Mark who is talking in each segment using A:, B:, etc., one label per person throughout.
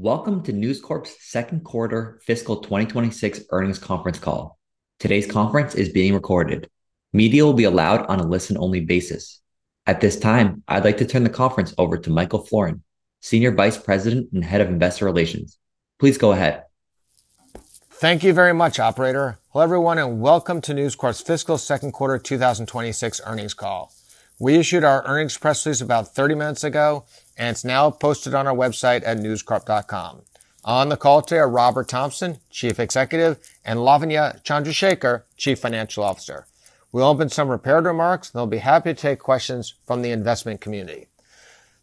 A: Welcome to News Corp's Second Quarter Fiscal 2026 Earnings Conference Call. Today's conference is being recorded. Media will be allowed on a listen-only basis. At this time, I'd like to turn the conference over to Michael Florin, Senior Vice President and Head of Investor Relations. Please go ahead.
B: Thank you very much, operator. Hello, everyone, and welcome to News Corp's fiscal second quarter 2026 earnings call. We issued our earnings press release about 30 minutes ago, and it's now posted on our website at newscorp.com. On the call today are Robert Thomson, Chief Executive, and Lavanya Chandrashekar, Chief Financial Officer. We'll open some prepared remarks, and they'll be happy to take questions from the investment community.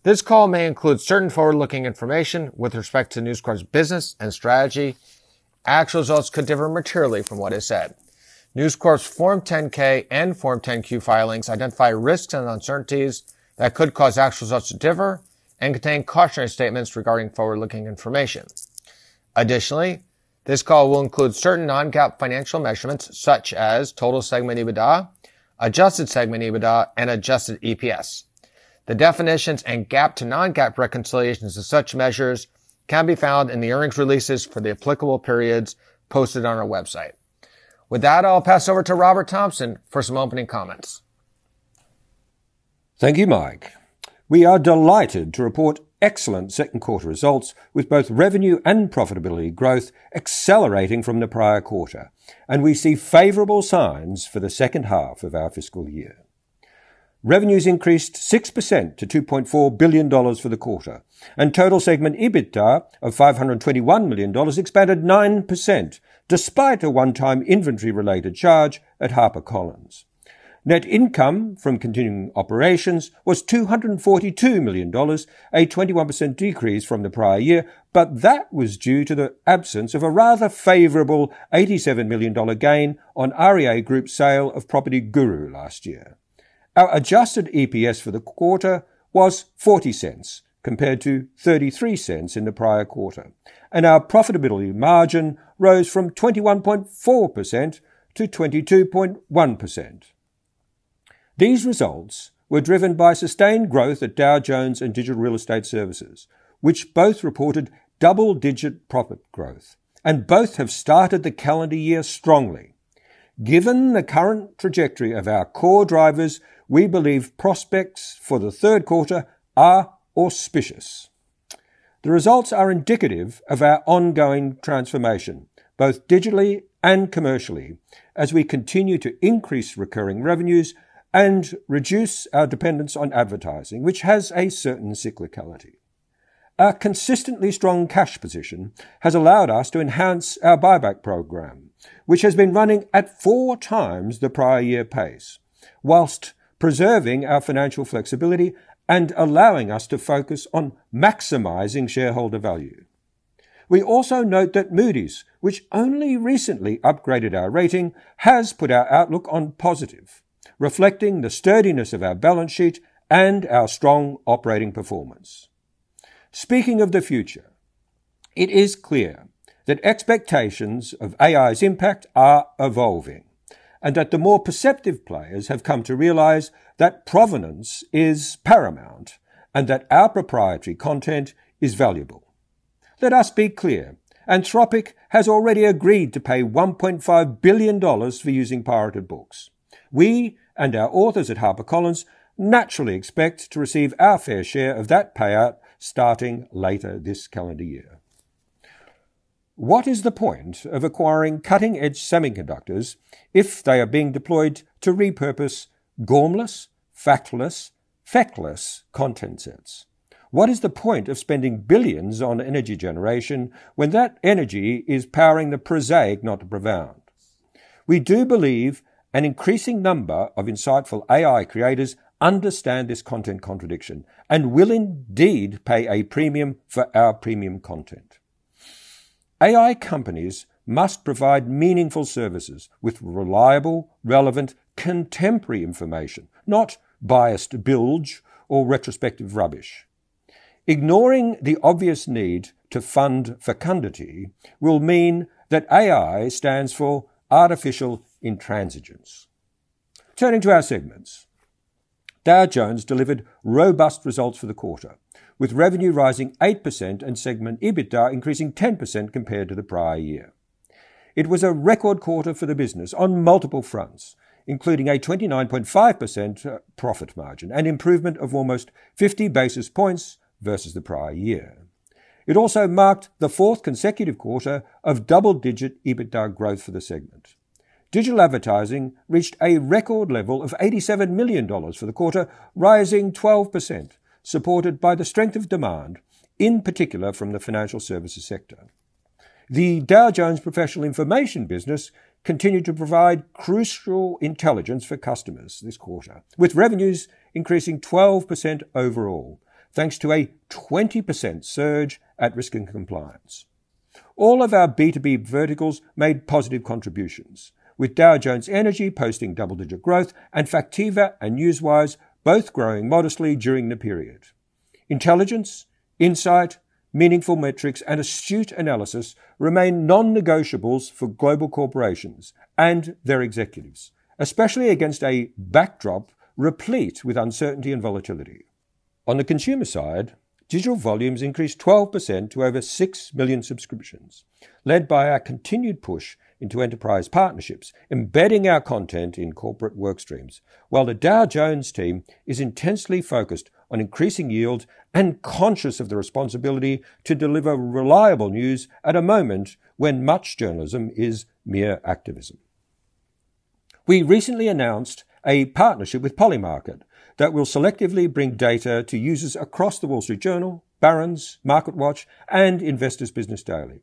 B: This call may include certain forward-looking information with respect to News Corp's business and strategy. Actual results could differ materially from what is said. News Corp's Form 10-K and Form 10-Q filings identify risks and uncertainties that could cause actual results to differ and contain cautionary statements regarding forward-looking information. Additionally, this call will include certain non-GAAP financial measurements, such as total segment EBITDA, adjusted segment EBITDA, and adjusted EPS. The definitions and GAAP to non-GAAP reconciliations of such measures can be found in the earnings releases for the applicable periods posted on our website. With that, I'll pass over to Robert Thomson for some opening comments.
C: Thank you, Mike. We are delighted to report excellent second quarter results, with both revenue and profitability growth accelerating from the prior quarter, and we see favorable signs for the second half of our fiscal year. Revenues increased 6% to $2.4 billion for the quarter, and total segment EBITDA of $521 million expanded 9%, despite a one-time inventory-related charge at HarperCollins. Net income from continuing operations was $242 million, a 21% decrease from the prior year, but that was due to the absence of a rather favorable $87 million gain on REA Group's sale of PropertyGuru last year. Our adjusted EPS for the quarter was $0.40, compared to $0.33 in the prior quarter, and our profitability margin rose from 21.4% to 22.1%. These results were driven by sustained growth at Dow Jones and Digital Real Estate Services, which both reported double-digit profit growth, and both have started the calendar year strongly. Given the current trajectory of our core drivers, we believe prospects for the third quarter are auspicious. The results are indicative of our ongoing transformation, both digitally and commercially, as we continue to increase recurring revenues and reduce our dependence on advertising, which has a certain cyclicality. Our consistently strong cash position has allowed us to enhance our buyback program, which has been running at four times the prior year pace, while preserving our financial flexibility and allowing us to focus on maximizing shareholder value. We also note that Moody's, which only recently upgraded our rating, has put our outlook on positive, reflecting the sturdiness of our balance sheet and our strong operating performance. Speaking of the future, it is clear that expectations of AI's impact are evolving and that the more perceptive players have come to realize that provenance is paramount and that our proprietary content is valuable. Let us be clear, Anthropic has already agreed to pay $1.5 billion for using pirated books. We and our authors at HarperCollins naturally expect to receive our fair share of that payout starting later this calendar year. What is the point of acquiring cutting-edge semiconductors if they are being deployed to repurpose gormless, factless, feckless content sets? What is the point of spending billions on energy generation when that energy is powering the prosaic, not the profound? We do believe an increasing number of insightful AI creators understand this content contradiction and will indeed pay a premium for our premium content. AI companies must provide meaningful services with reliable, relevant, contemporary information, not biased bilge or retrospective rubbish. Ignoring the obvious need to fund fecundity will mean that AI stands for artificial intransigence. Turning to our segments, Dow Jones delivered robust results for the quarter, with revenue rising 8% and segment EBITDA increasing 10% compared to the prior year. It was a record quarter for the business on multiple fronts, including a 29.5% profit margin, an improvement of almost 50 basis points versus the prior year. It also marked the fourth consecutive quarter of double-digit EBITDA growth for the segment. Digital advertising reached a record level of $87 million for the quarter, rising 12%, supported by the strength of demand, in particular from the financial services sector. The Dow Jones Professional Information business continued to provide crucial intelligence for customers this quarter, with revenues increasing 12% overall, thanks to a 20% surge at Risk and Compliance. All of our B2B verticals made positive contributions, with Dow Jones Energy posting double-digit growth, and Factiva and Newswires both growing modestly during the period. Intelligence, insight, meaningful metrics, and astute analysis remain non-negotiables for global corporations and their executives, especially against a backdrop replete with uncertainty and volatility. On the consumer side, digital volumes increased 12% to over six million subscriptions, led by our continued push into enterprise partnerships, embedding our content in corporate work streams. While the Dow Jones team is intensely focused on increasing yield and conscious of the responsibility to deliver reliable news at a moment when much journalism is mere activism. We recently announced a partnership with Polymarket that will selectively bring data to users across The Wall Street Journal, Barron's, MarketWatch, and Investors Business Daily.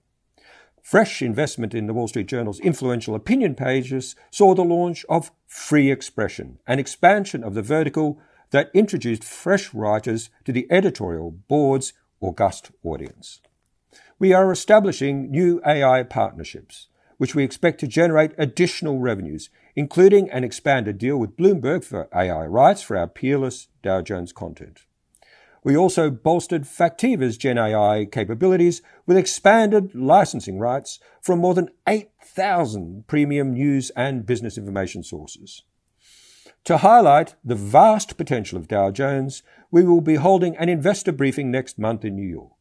C: Fresh investment in The Wall Street Journal's influential opinion pages saw the launch of Free Expression, an expansion of the vertical that introduced fresh writers to the editorial board's august audience. We are establishing new AI partnerships, which we expect to generate additional revenues, including an expanded deal with Bloomberg for AI rights for our peerless Dow Jones content. We also bolstered Factiva's GenAI capabilities with expanded licensing rights from more than 8,000 premium news and business information sources. To highlight the vast potential of Dow Jones, we will be holding an investor briefing next month in New York.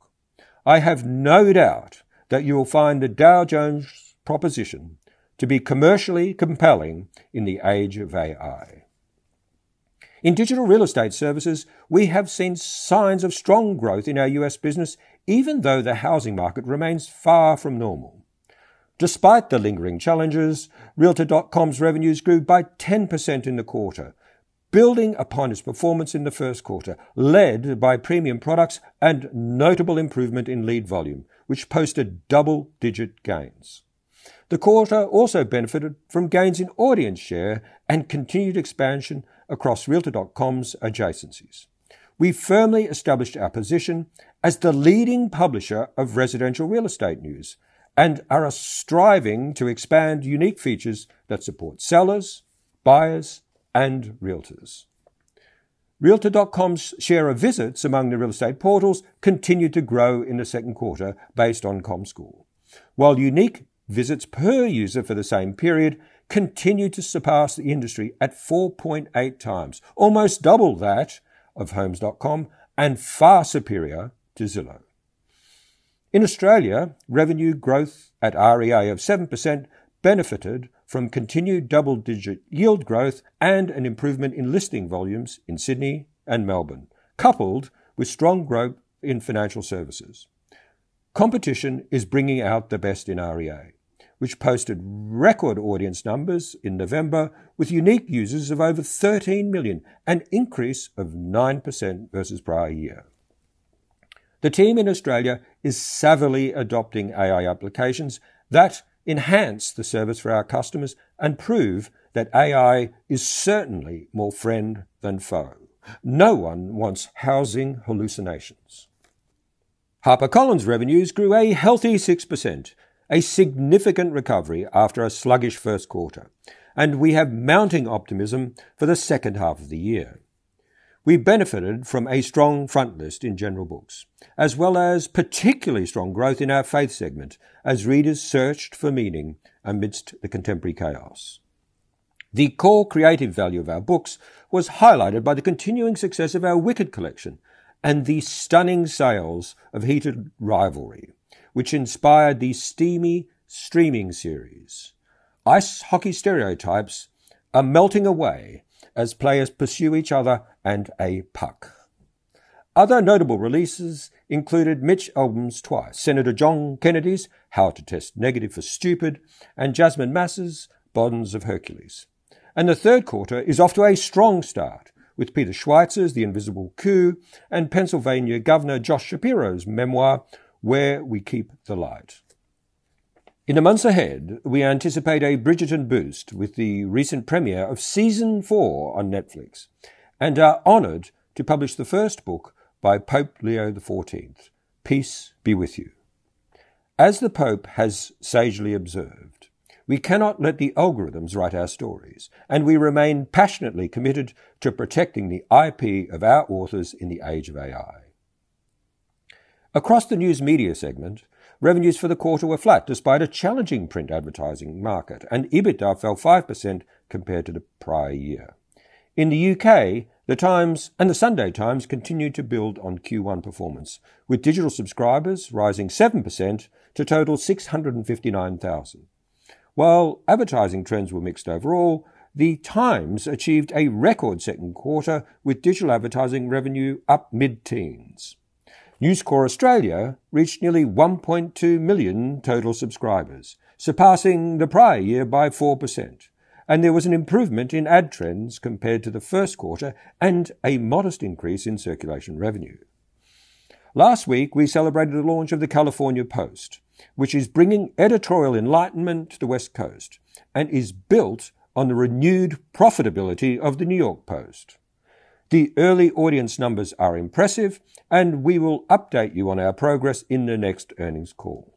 C: I have no doubt that you will find the Dow Jones proposition to be commercially compelling in the age of AI. In digital real estate services, we have seen signs of strong growth in our U.S. business, even though the housing market remains far from normal. Despite the lingering challenges, Realtor.com's revenues grew by 10% in the quarter, building upon its performance in the first quarter, led by premium products and notable improvement in lead volume, which posted double-digit gains. The quarter also benefited from gains in audience share and continued expansion across Realtor.com's adjacencies. We firmly established our position as the leading publisher of residential real estate news, and are striving to expand unique features that support sellers, buyers, and realtors. Realtor.com's share of visits among the real estate portals continued to grow in the second quarter based on Comscore, while unique visits per user for the same period continued to surpass the industry at 4.8x, almost double that of Homes.com, and far superior to Zillow. In Australia, revenue growth at REA of 7% benefited from continued double-digit yield growth and an improvement in listing volumes in Sydney and Melbourne, coupled with strong growth in financial services. Competition is bringing out the best in REA, which posted record audience numbers in November with unique users of over 13 million, an increase of 9% versus prior year. The team in Australia is savvily adopting AI applications that enhance the service for our customers and prove that AI is certainly more friend than foe. No one wants housing hallucinations. HarperCollins revenues grew a healthy 6%, a significant recovery after a sluggish first quarter, and we have mounting optimism for the second half of the year. We benefited from a strong front list in general books, as well as particularly strong growth in our faith segment as readers searched for meaning amidst the contemporary chaos. The core creative value of our books was highlighted by the continuing success of our Wicked collection and the stunning sales of Heated Rivalry, which inspired the steamy streaming series. Ice hockey stereotypes are melting away as players pursue each other and a puck. Other notable releases included Mitch Albom's Twice, Senator John Kennedy's How to Test Negative for Stupid, and Jasmin Mas's Bonds of Hercules. The third quarter is off to a strong start with Peter Schweizer's The Invisible Coup and Pennsylvania Governor Josh Shapiro's memoir, Where We Keep the Light. In the months ahead, we anticipate a Bridgerton boost with the recent premiere of Season 4 on Netflix and are honored to publish the first book by Pope Leo XIV, Peace Be With You. As the Pope has sagely observed, we cannot let the algorithms write our stories, and we remain passionately committed to protecting the IP of our authors in the age of AI. Across the news media segment, revenues for the quarter were flat, despite a challenging print advertising market, and EBITDA fell 5% compared to the prior year. In the UK, The Times and The Sunday Times continued to build on Q1 performance, with digital subscribers rising 7% to total 659,000. While advertising trends were mixed overall, The Times achieved a record second quarter with digital advertising revenue up mid-teens. News Corp Australia reached nearly 1.2 million total subscribers, surpassing the prior year by 4%, and there was an improvement in ad trends compared to the first quarter and a modest increase in circulation revenue. Last week, we celebrated the launch of the California Post, which is bringing editorial enlightenment to the West Coast and is built on the renewed profitability of the New York Post. The early audience numbers are impressive, and we will update you on our progress in the next earnings call.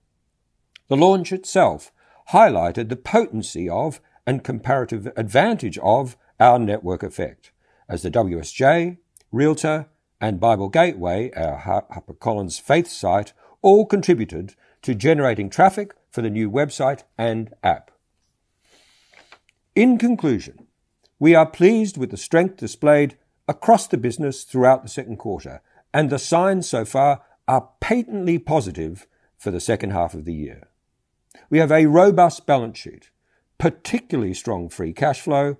C: The launch itself highlighted the potency of, and comparative advantage of, our network effect as the WSJ, Realtor, and BibleGateway, our HarperCollins Faith site, all contributed to generating traffic for the new website and app.... In conclusion, we are pleased with the strength displayed across the business throughout the second quarter, and the signs so far are patently positive for the second half of the year. We have a robust balance sheet, particularly strong free cash flow,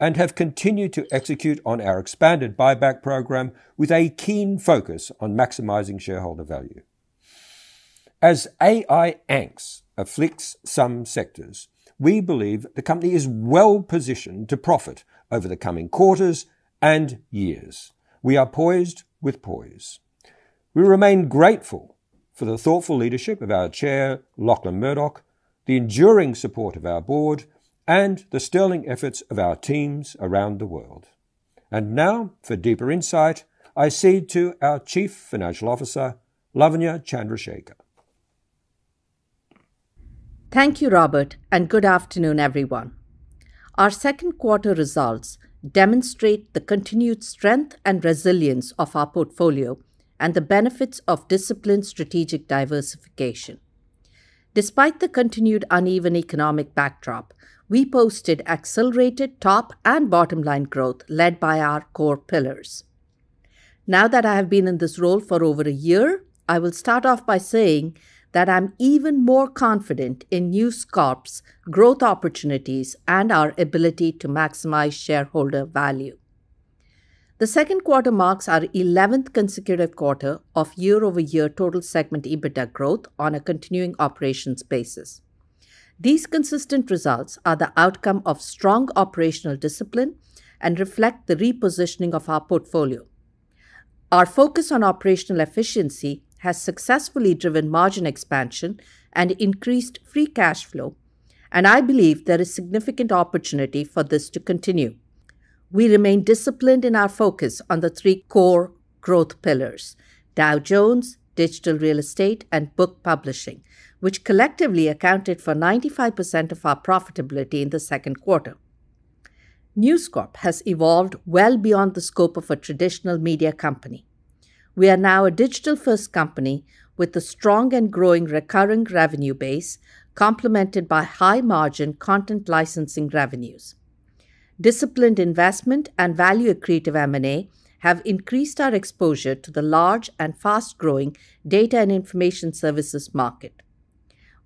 C: and have continued to execute on our expanded buyback program with a keen focus on maximizing shareholder value. As AI angst afflicts some sectors, we believe the company is well-positioned to profit over the coming quarters and years. We are poised with poise. We remain grateful for the thoughtful leadership of our chair, Lachlan Murdoch, the enduring support of our board, and the sterling efforts of our teams around the world. Now, for deeper insight, I cede to our Chief Financial Officer, Lavanya Chandrashekar.
D: Thank you, Robert, and good afternoon, everyone. Our second quarter results demonstrate the continued strength and resilience of our portfolio and the benefits of disciplined strategic diversification. Despite the continued uneven economic backdrop, we posted accelerated top and bottom line growth led by our core pillars. Now that I have been in this role for over a year, I will start off by saying that I'm even more confident in News Corp's growth opportunities and our ability to maximize shareholder value. The second quarter marks our eleventh consecutive quarter of year-over-year total segment EBITDA growth on a continuing operations basis. These consistent results are the outcome of strong operational discipline and reflect the repositioning of our portfolio. Our focus on operational efficiency has successfully driven margin expansion and increased free cash flow, and I believe there is significant opportunity for this to continue. We remain disciplined in our focus on the three core growth pillars: Dow Jones, Digital Real Estate, and Book Publishing, which collectively accounted for 95% of our profitability in the second quarter. News Corp has evolved well beyond the scope of a traditional media company. We are now a digital-first company with a strong and growing recurring revenue base, complemented by high-margin content licensing revenues. Disciplined investment and value-accretive M&A have increased our exposure to the large and fast-growing data and information services market.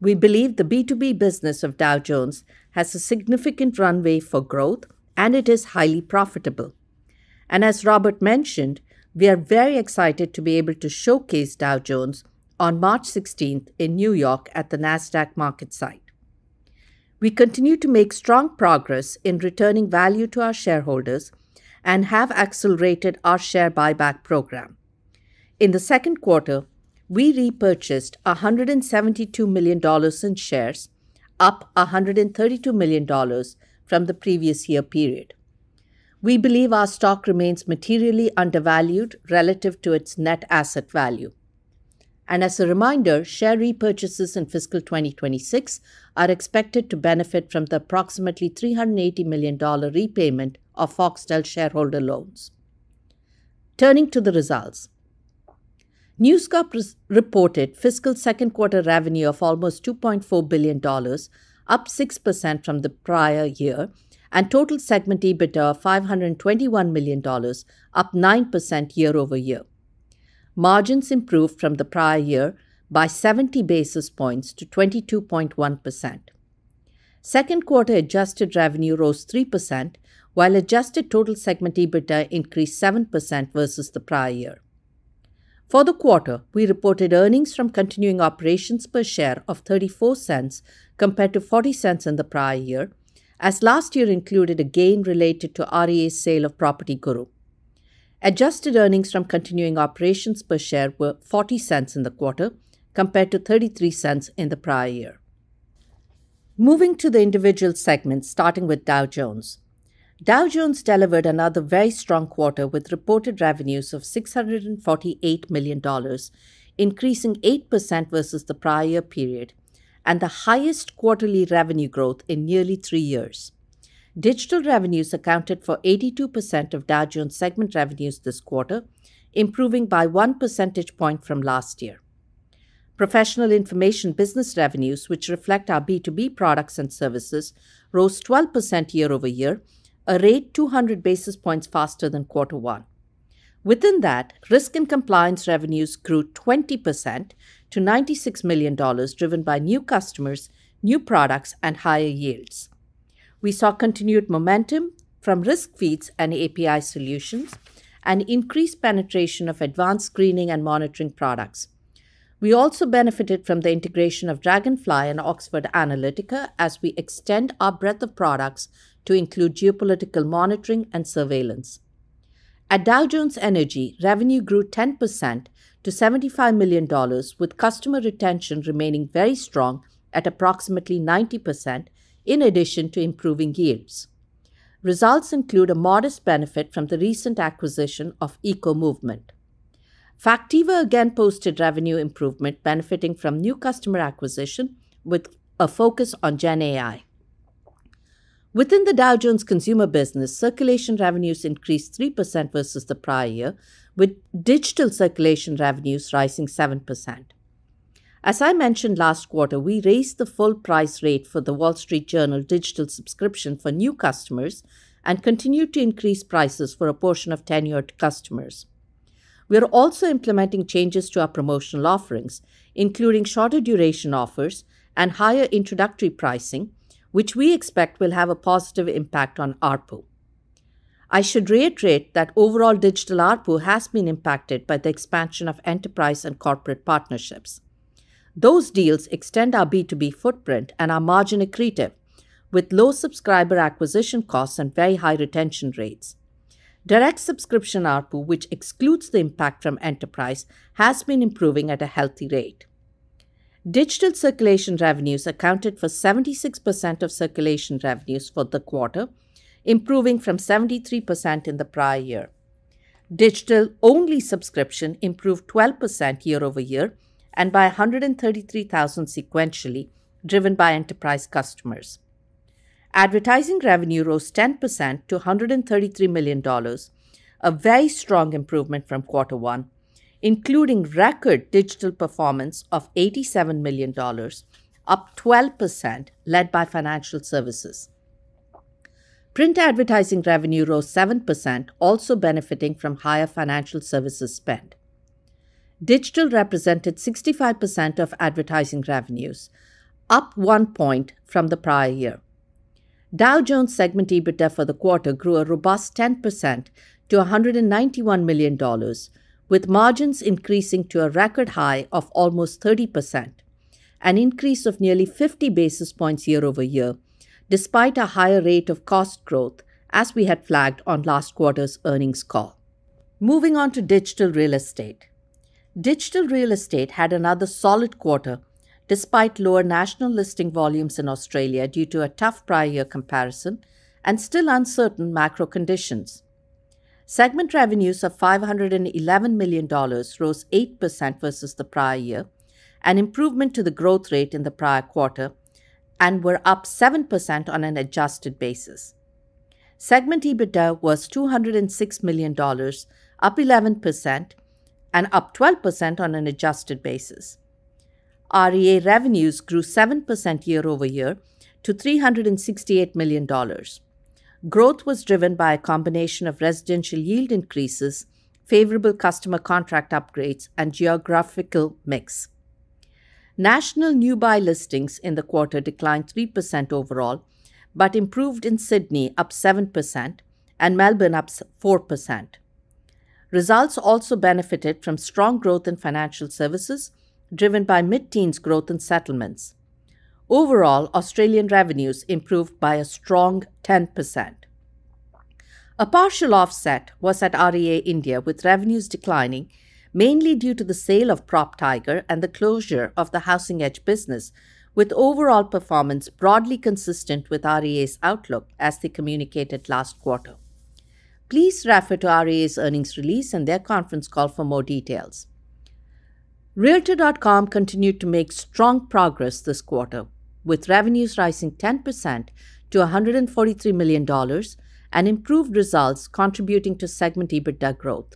D: We believe the B2B business of Dow Jones has a significant runway for growth, and it is highly profitable. And as Robert mentioned, we are very excited to be able to showcase Dow Jones on March 16th in New York at the Nasdaq market site. We continue to make strong progress in returning value to our shareholders and have accelerated our share buyback program. In the second quarter, we repurchased $172 million in shares, up $132 million from the previous year period. We believe our stock remains materially undervalued relative to its net asset value. And as a reminder, share repurchases in fiscal 2026 are expected to benefit from the approximately $380 million repayment of Foxtel shareholder loans. Turning to the results, News Corp reported fiscal second quarter revenue of almost $2.4 billion, up 6% from the prior year, and total segment EBITDA of $521 million, up 9% year-over-year. Margins improved from the prior year by 70 basis points to 22.1%. Second quarter adjusted revenue rose 3%, while adjusted total segment EBITDA increased 7% versus the prior year. For the quarter, we reported earnings from continuing operations per share of $0.34 compared to $0.40 in the prior year, as last year included a gain related to REA's sale of PropertyGuru. Adjusted earnings from continuing operations per share were $0.40 in the quarter, compared to $0.33 in the prior year. Moving to the individual segments, starting with Dow Jones. Dow Jones delivered another very strong quarter, with reported revenues of $648 million, increasing 8% versus the prior period, and the highest quarterly revenue growth in nearly three years. Digital revenues accounted for 82% of Dow Jones segment revenues this quarter, improving by percentage point from last year. Professional information business revenues, which reflect our B2B products and services, rose 12% year-over-year, a rate 200 basis points faster than quarter one. Within that, Risk & Compliance revenues grew 20% to $96 million, driven by new customers, new products, and higher yields. We saw continued momentum from risk feeds and API solutions and increased penetration of advanced screening and monitoring products. We also benefited from the integration of Dragonfly and Oxford Analytica as we extend our breadth of products to include geopolitical monitoring and surveillance. At Dow Jones Energy, revenue grew 10% to $75 million, with customer retention remaining very strong at approximately 90% in addition to improving yields. Results include a modest benefit from the recent acquisition of Eco-Movement. Factiva again posted revenue improvement, benefiting from new customer acquisition, with a focus on GenAI. Within the Dow Jones Consumer Business, circulation revenues increased 3% versus the prior year, with digital circulation revenues rising 7%.... As I mentioned last quarter, we raised the full price rate for The Wall Street Journal digital subscription for new customers and continued to increase prices for a portion of tenured customers. We are also implementing changes to our promotional offerings, including shorter duration offers and higher introductory pricing, which we expect will have a positive impact on ARPU. I should reiterate that overall digital ARPU has been impacted by the expansion of enterprise and corporate partnerships. Those deals extend our B2B footprint and are margin accretive, with low subscriber acquisition costs and very high retention rates. Direct subscription ARPU, which excludes the impact from enterprise, has been improving at a healthy rate. Digital circulation revenues accounted for 76% of circulation revenues for the quarter, improving from 73% in the prior year. Digital-only subscription improved 12% year-over-year and by 133,000 sequentially, driven by enterprise customers. Advertising revenue rose 10% to $133 million, a very strong improvement from Quarter One, including record digital performance of $87 million, up 12%, led by financial services. Print advertising revenue rose 7%, also benefiting from higher financial services spend. Digital represented 65% of advertising revenues, up one point from the prior year. Dow Jones segment EBITDA for the quarter grew a robust 10% to $191 million, with margins increasing to a record high of almost 30%, an increase of nearly 50 basis points year-over-year, despite a higher rate of cost growth, as we had flagged on last quarter's earnings call. Moving on to Digital Real Estate. Digital Real Estate had another solid quarter, despite lower national listing volumes in Australia due to a tough prior year comparison and still uncertain macro conditions. Segment revenues of $511 million rose 8% versus the prior year, an improvement to the growth rate in the prior quarter, and were up 7% on an adjusted basis. Segment EBITDA was $206 million, up 11% and up 12% on an adjusted basis. REA revenues grew 7% year-over-year to $368 million. Growth was driven by a combination of residential yield increases, favorable customer contract upgrades, and geographical mix. National new buy listings in the quarter declined 3% overall, but improved in Sydney, up 7%, and Melbourne, up 4%. Results also benefited from strong growth in financial services, driven by mid-teens growth in settlements. Overall, Australian revenues improved by a strong 10%. A partial offset was at REA India, with revenues declining, mainly due to the sale of PropTiger and the closure of the Housing Edge business, with overall performance broadly consistent with REA's outlook as they communicated last quarter. Please refer to REA's earnings release and their conference call for more details. Realtor.com continued to make strong progress this quarter, with revenues rising 10% to $143 million and improved results contributing to segment EBITDA growth.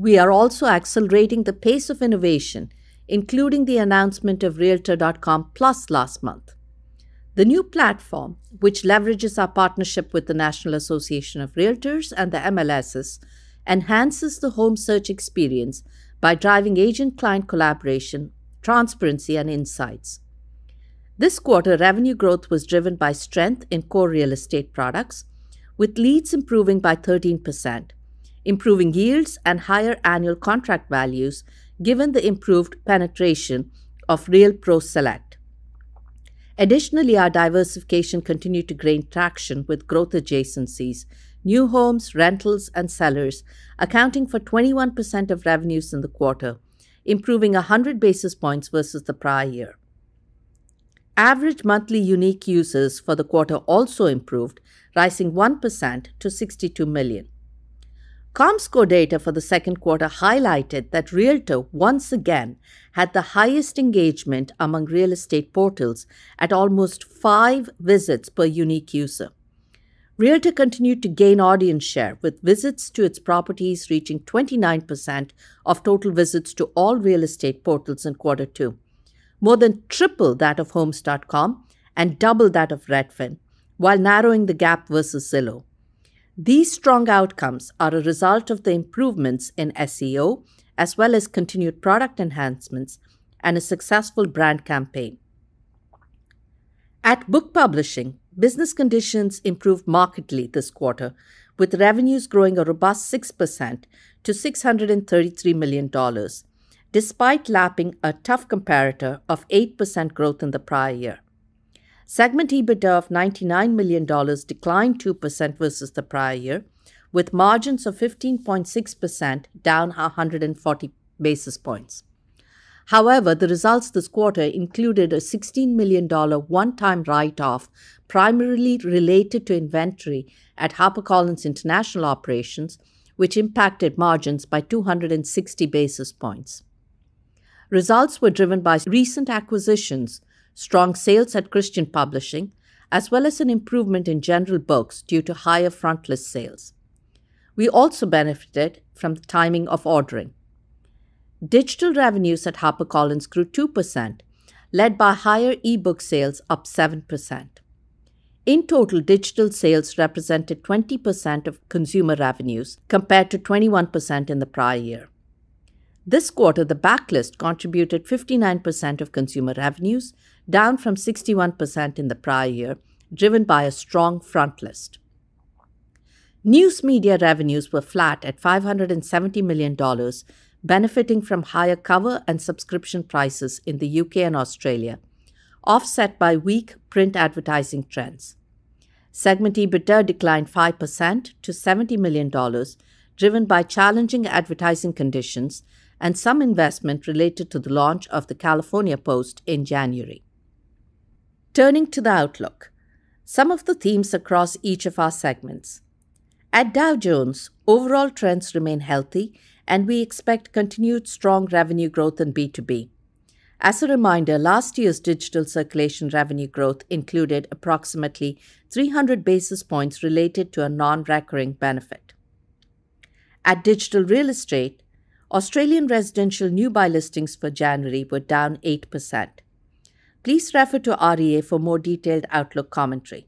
D: We are also accelerating the pace of innovation, including the announcement of Realtor.com Plus last month. The new platform, which leverages our partnership with the National Association of Realtors and the MLSs, enhances the home search experience by driving agent-client collaboration, transparency, and insights. This quarter, revenue growth was driven by strength in core real estate products, with leads improving by 13%, improving yields and higher annual contract values given the improved penetration of RealPro Select. Additionally, our diversification continued to gain traction with growth adjacencies, new homes, rentals, and sellers accounting for 21% of revenues in the quarter, improving 100 basis points versus the prior year. Average monthly unique users for the quarter also improved, rising 1% to 62 million. Comscore data for the second quarter highlighted that Realtor once again had the highest engagement among real estate portals at almost five visits per unique user. Realtor continued to gain audience share, with visits to its properties reaching 29% of total visits to all real estate portals in Quarter Two, more than triple that of Homes.com and double that of Redfin, while narrowing the gap versus Zillow. These strong outcomes are a result of the improvements in SEO, as well as continued product enhancements and a successful brand campaign. At Book Publishing, business conditions improved markedly this quarter, with revenues growing a robust 6% to $633 million, despite lapping a tough comparator of 8% growth in the prior year. Segment EBITDA of $99 million declined 2% versus the prior year, with margins of 15.6% down 140 basis points. However, the results this quarter included a $16 million one-time write-off, primarily related to inventory at HarperCollins International Operations, which impacted margins by 260 basis points. Results were driven by recent acquisitions, strong sales at Christian Publishing, as well as an improvement in general books due to higher frontlist sales. We also benefited from the timing of ordering. Digital revenues at HarperCollins grew 2%, led by higher e-book sales, up 7%. In total, digital sales represented 20% of consumer revenues, compared to 21% in the prior year. This quarter, the backlist contributed 59% of consumer revenues, down from 61% in the prior year, driven by a strong frontlist. News media revenues were flat at $570 million, benefiting from higher cover and subscription prices in the UK and Australia, offset by weak print advertising trends. Segment EBITDA declined 5% to $70 million, driven by challenging advertising conditions and some investment related to the launch of the California Post in January. Turning to the outlook, some of the themes across each of our segments. At Dow Jones, overall trends remain healthy, and we expect continued strong revenue growth in B2B. As a reminder, last year's digital circulation revenue growth included approximately 300 basis points related to a non-recurring benefit. At Digital Real Estate, Australian residential new buy listings for January were down 8%. Please refer to REA for more detailed outlook commentary.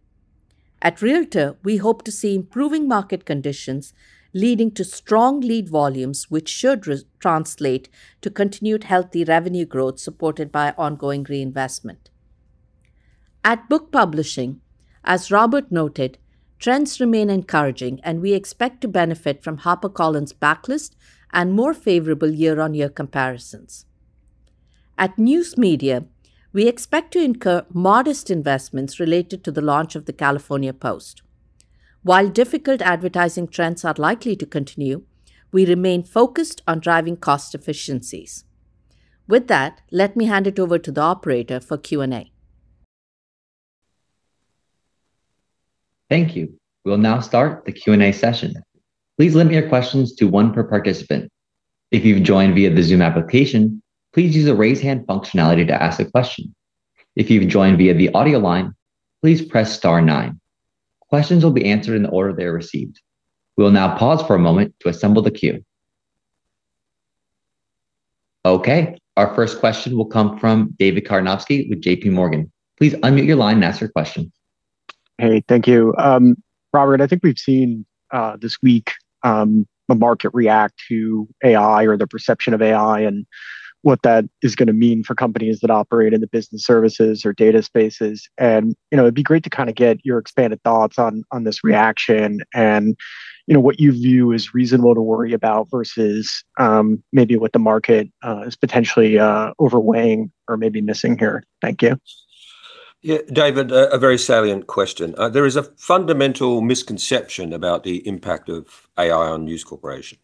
D: At Realtor, we hope to see improving market conditions, leading to strong lead volumes, which should translate to continued healthy revenue growth, supported by ongoing reinvestment. At Book Publishing, as Robert noted, trends remain encouraging, and we expect to benefit from HarperCollins' backlist and more favorable year-on-year comparisons. At News Media, we expect to incur modest investments related to the launch of the California Post. While difficult advertising trends are likely to continue, we remain focused on driving cost efficiencies. With that, let me hand it over to the operator for Q&A.
A: Thank you. We'll now start the Q&A session. Please limit your questions to one per participant. If you've joined via the Zoom application, please use the Raise Hand functionality to ask a question. If you've joined via the audio line, please press star nine. Questions will be answered in the order they are received. We will now pause for a moment to assemble the queue. Okay, our first question will come from David Karnovsky with JP Morgan. Please unmute your line and ask your question.
E: Hey, thank you. Robert, I think we've seen this week the market react to AI or the perception of AI and what that is gonna mean for companies that operate in the business services or data spaces. And, you know, it'd be great to kinda get your expanded thoughts on this reaction and, you know, what you view as reasonable to worry about versus maybe what the market is potentially overweighing or maybe missing here. Thank you.
C: Yeah, David, very salient question. There is a fundamental misconception about the impact of AI on News Corporation.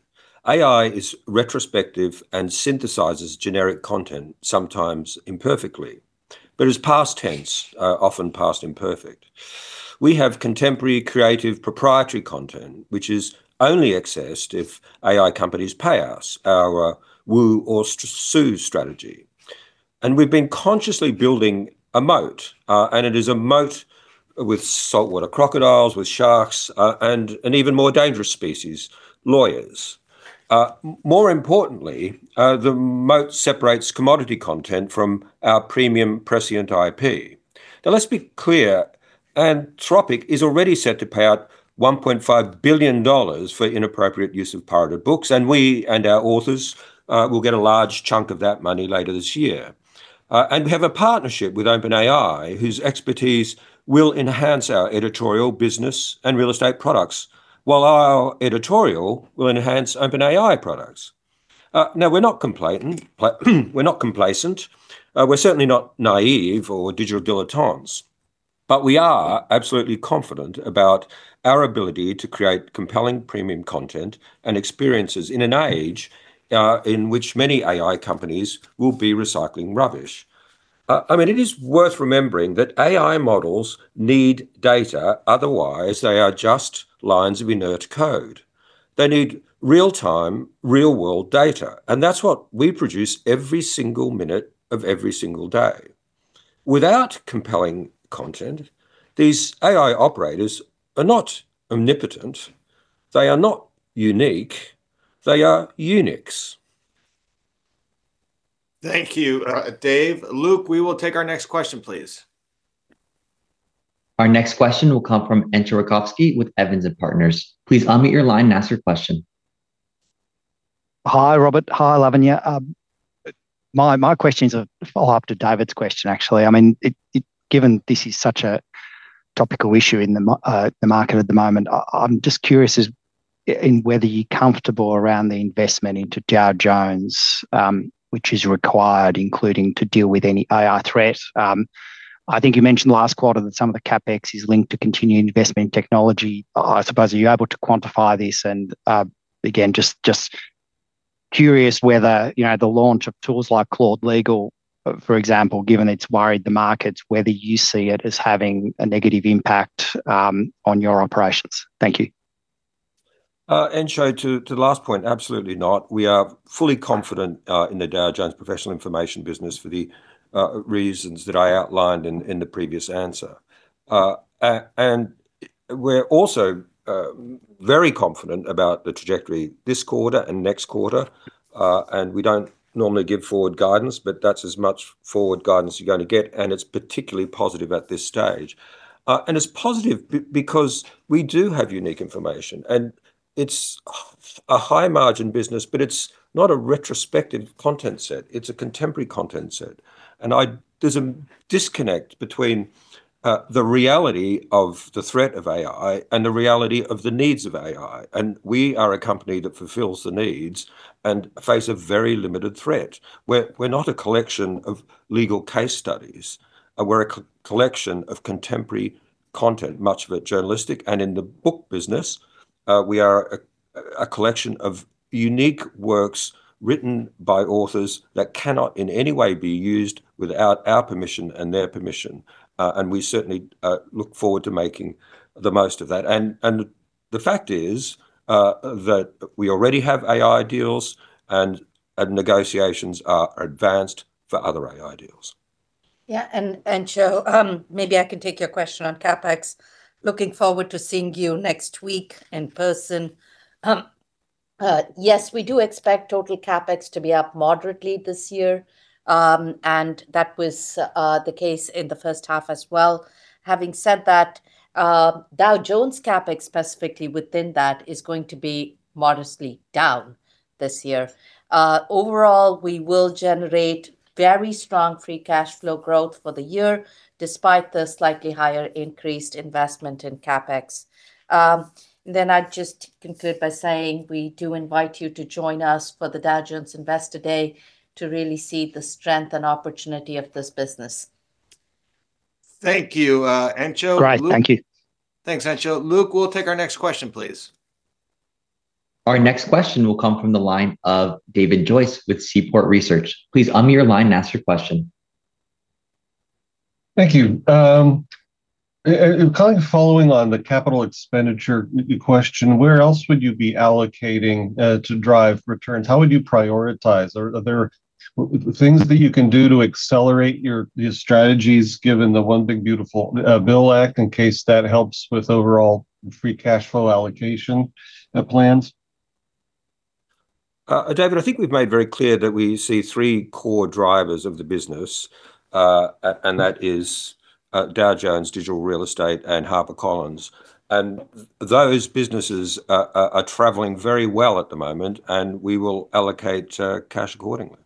C: AI is retrospective and synthesizes generic content, sometimes imperfectly, but is past tense, often past imperfect. We have contemporary, creative, proprietary content, which is only accessed if AI companies pay us, our woo or sue strategy, and we've been consciously building a moat, and it is a moat with saltwater crocodiles, with sharks, and even more dangerous species, lawyers. More importantly, the moat separates commodity content from our premium prescient IP. Now, let's be clear, Anthropic is already set to pay out $1.5 billion for inappropriate use of pirated books, and we and our authors will get a large chunk of that money later this year. And we have a partnership with OpenAI, whose expertise will enhance our editorial, business, and real estate products, while our editorial will enhance OpenAI products. Now, we're not complacent, we're not complacent, we're certainly not naive or digital dilettantes, but we are absolutely confident about our ability to create compelling premium content and experiences in an age in which many AI companies will be recycling rubbish. I mean, it is worth remembering that AI models need data, otherwise they are just lines of inert code. They need real-time, real-world data, and that's what we produce every single minute of every single day. Without compelling content, these AI operators are not omnipotent, they are not unique, they are Unix.
B: Thank you, Dave. Luke, we will take our next question, please.
A: Our next question will come from Entcho Raykovski with Evans and Partners. Please unmute your line and ask your question.
F: Hi, Robert. Hi, Lavanya. My question is a follow-up to David's question, actually. I mean... Given this is such a topical issue in the market at the moment, I'm just curious as to whether you're comfortable around the investment into Dow Jones, which is required, including to deal with any AI threat. I think you mentioned last quarter that some of the CapEx is linked to continued investment in technology. I suppose, are you able to quantify this? And, again, just curious whether, you know, the launch of tools like Claude Legal, for example, given it's worried the markets, whether you see it as having a negative impact on your operations. Thank you.
C: And so to the last point, absolutely not. We are fully confident in the Dow Jones Professional Information business for the reasons that I outlined in the previous answer. We're also very confident about the trajectory this quarter and next quarter. And we don't normally give forward guidance, but that's as much forward guidance you're gonna get, and it's particularly positive at this stage. And it's positive because we do have unique information, and it's a high-margin business, but it's not a retrospective content set, it's a contemporary content set. And there's a disconnect between the reality of the threat of AI and the reality of the needs of AI, and we are a company that fulfills the needs and face a very limited threat. We're not a collection of legal case studies. We're a collection of contemporary content, much of it journalistic. And in the book business, we are a collection of unique works written by authors that cannot in any way be used without our permission and their permission. And we certainly look forward to making the most of that. And the fact is that we already have AI deals and negotiations are advanced for other AI deals.
D: Yeah, and, Entcho, maybe I can take your question on CapEx. Looking forward to seeing you next week in person. Yes, we do expect total CapEx to be up moderately this year, and that was the case in the first half as well. Having said that, Dow Jones CapEx, specifically within that, is going to be modestly down this year. Overall, we will generate very strong free cash flow growth for the year, despite the slightly higher increased investment in CapEx. Then I'd just conclude by saying, we do invite you to join us for the Dow Jones Investor Day to really see the strength and opportunity of this business.
B: Thank you.
F: All right. Thank you.
B: Thanks, Entcho. Luke, we'll take our next question, please.
A: Our next question will come from the line of David Joyce with Seaport Research. Please unmute your line and ask your question.
G: Thank you. Kind of following on the capital expenditure question, where else would you be allocating to drive returns? How would you prioritize? Are there things that you can do to accelerate your strategies, given the One Big Beautiful Bill Act, in case that helps with overall free cash flow allocation plans?
C: David, I think we've made very clear that we see three core drivers of the business, and that is Dow Jones, Digital Real Estate and HarperCollins. And those businesses are traveling very well at the moment, and we will allocate cash accordingly.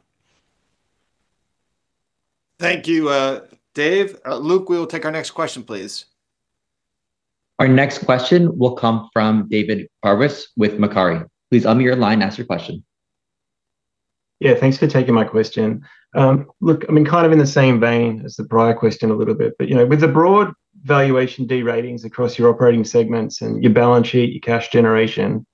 B: Thank you, Dave. Luke, we will take our next question, please.
A: Our next question will come from David Fabris with Macquarie. Please unmute your line and ask your question.
H: Yeah, thanks for taking my question. Look, I mean, kind of in the same vein as the prior question a little bit, but, you know, with the broad valuation de-ratings across your operating segments and your balance sheet, your cash generation,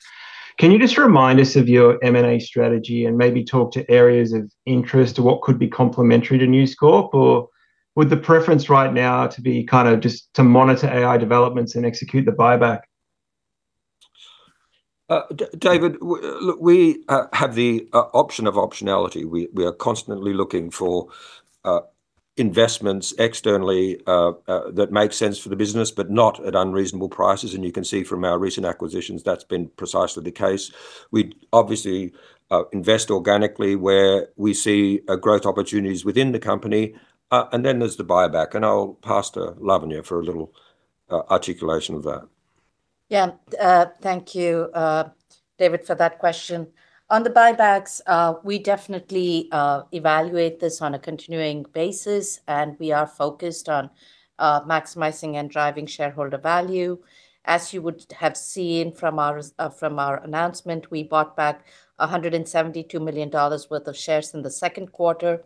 H: can you just remind us of your M&A strategy and maybe talk to areas of interest or what could be complementary to News Corp? Or would the preference right now to be kind of just to monitor AI developments and execute the buyback?
C: David, look, we have the option of optionality. We are constantly looking for investments externally that make sense for the business, but not at unreasonable prices, and you can see from our recent acquisitions that's been precisely the case. We'd obviously invest organically where we see growth opportunities within the company. And then there's the buyback, and I'll pass to Lavanya for a little articulation of that.
D: Yeah. Thank you, David, for that question. On the buybacks, we definitely evaluate this on a continuing basis, and we are focused on maximizing and driving shareholder value. As you would have seen from our announcement, we bought back $172 million worth of shares in the second quarter.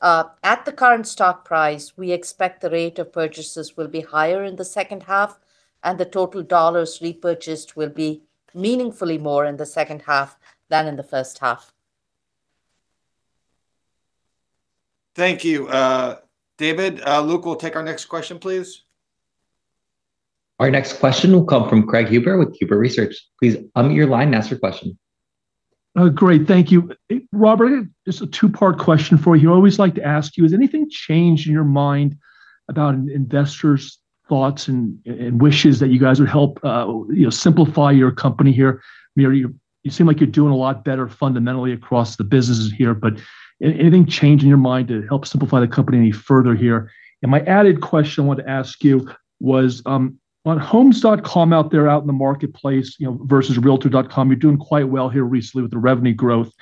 D: At the current stock price, we expect the rate of purchases will be higher in the second half, and the total dollars repurchased will be meaningfully more in the second half than in the first half.
B: Thank you, David. Luke, we'll take our next question, please.
A: Our next question will come from Craig Huber with Huber Research. Please unmute your line and ask your question.
I: Great. Thank you. Robert, just a two-part question for you. I always like to ask you, has anything changed in your mind about investors' thoughts and wishes that you guys would help, you know, simplify your company here? I mean, you seem like you're doing a lot better fundamentally across the businesses here, but anything change in your mind to help simplify the company any further here? And my added question I wanted to ask you was, on Homes.com out there, out in the marketplace, you know, versus Realtor.com, you're doing quite well here recently with the revenue growth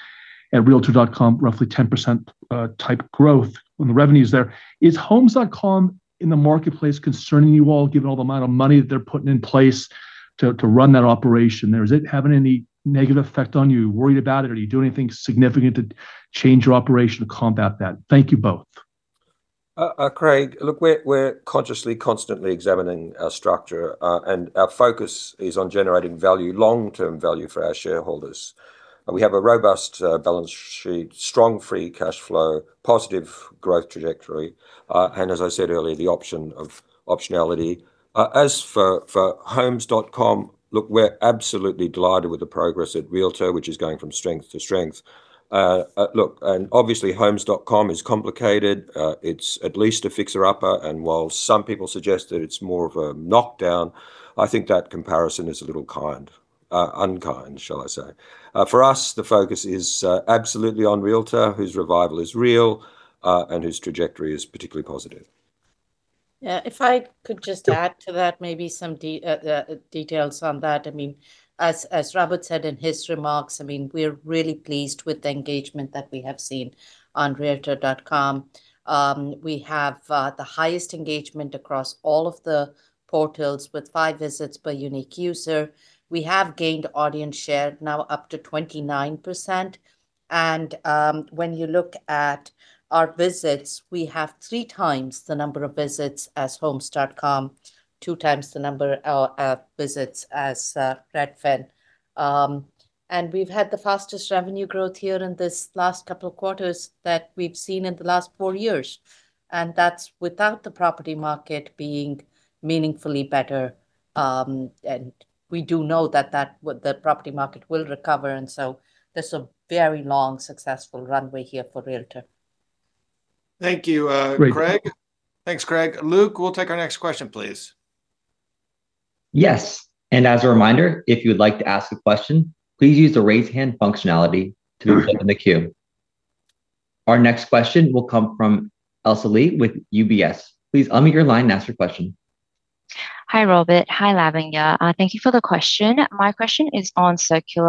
I: at Realtor.com, roughly 10%, type growth on the revenues there. Is Homes.com in the marketplace concerning you all, given all the amount of money that they're putting in place to run that operation there? Is it having any negative effect on you? Are you worried about it, or are you doing anything significant to change your operation to combat that? Thank you both.
C: Craig, look, we're consciously constantly examining our structure, and our focus is on generating value, long-term value for our shareholders. We have a robust balance sheet, strong free cash flow, positive growth trajectory, and as I said earlier, the option of optionality. As for Homes.com, look, we're absolutely delighted with the progress at Realtor, which is going from strength to strength. Look, obviously Homes.com is complicated. It's at least a fixer-upper, and while some people suggest that it's more of a knockdown, I think that comparison is a little kind, unkind, shall I say. For us, the focus is absolutely on Realtor, whose revival is real, and whose trajectory is particularly positive....
D: Yeah, if I could just add to that, maybe some details on that. I mean, as Robert said in his remarks, I mean, we're really pleased with the engagement that we have seen on Realtor.com. We have the highest engagement across all of the portals, with five visits per unique user. We have gained audience share, now up to 29%, and when you look at our visits, we have three times the number of visits as Homes.com, two times the number of visits as Redfin. And we've had the fastest revenue growth here in this last couple of quarters that we've seen in the last four years, and that's without the property market being meaningfully better. And we do know that the property market will recover, and so there's a very long, successful runway here for Realtor.
B: Thank you, Craig.
I: Great.
B: Thanks, Greg. Luke, we'll take our next question, please.
A: Yes. As a reminder, if you would like to ask a question, please use the Raise Hand functionality to be put in the queue. Our next question will come from Ailsa Lei with UBS. Please unmute your line and ask your question.
J: Hi, Robert. Hi, Lavanya. Thank you for the question. My question is on subscription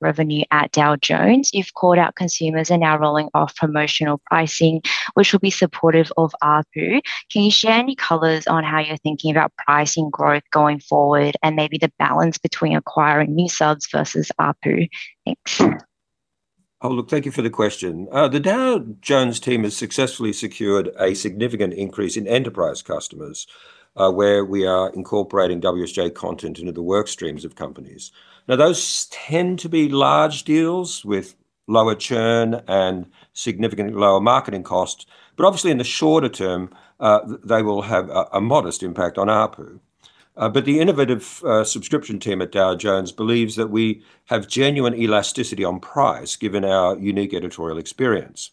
J: revenue at Dow Jones. You've called out consumers are now rolling off promotional pricing, which will be supportive of ARPU. Can you share any color on how you're thinking about pricing growth going forward, and maybe the balance between acquiring new subs versus ARPU? Thanks.
C: Oh, look, thank you for the question. The Dow Jones team has successfully secured a significant increase in enterprise customers, where we are incorporating WSJ content into the work streams of companies. Now, those tend to be large deals with lower churn and significantly lower marketing costs, but obviously, in the shorter term, they will have a modest impact on ARPU. But the innovative subscription team at Dow Jones believes that we have genuine elasticity on price, given our unique editorial experience.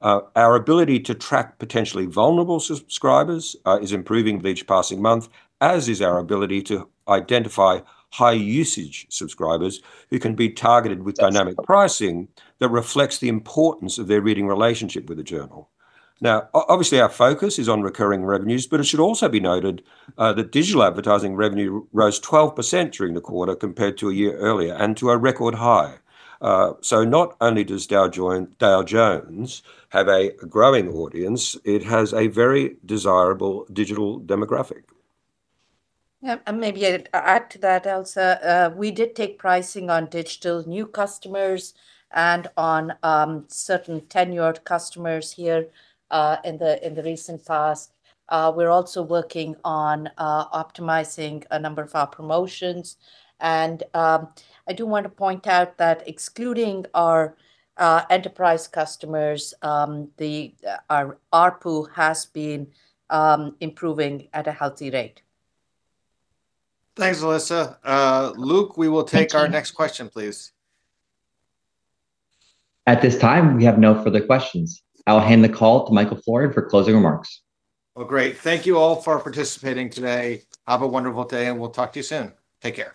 C: Our ability to track potentially vulnerable subscribers is improving with each passing month, as is our ability to identify high-usage subscribers who can be targeted with dynamic pricing that reflects the importance of their reading relationship with the journal. Now, obviously, our focus is on recurring revenues, but it should also be noted that digital advertising revenue rose 12% during the quarter compared to a year earlier and to a record high. So not only does Dow Jones have a growing audience, it has a very desirable digital demographic.
D: Yeah, and maybe I'd add to that, Ailsa. We did take pricing on digital new customers and on certain tenured customers here in the recent past. We're also working on optimizing a number of our promotions, and I do want to point out that excluding our enterprise customers, our ARPU has been improving at a healthy rate.
B: Thanks, Ailsa. Luke, we will take our next question, please.
A: At this time, we have no further questions. I'll hand the call to Michael Florin for closing remarks.
B: Well, great. Thank you all for participating today. Have a wonderful day, and we'll talk to you soon. Take care.